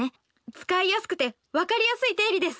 使いやすくて分かりやすい定理です。